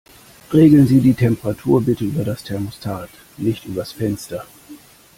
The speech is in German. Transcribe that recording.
Regeln Sie die Temperatur bitte über das Thermostat, nicht übers Fenster.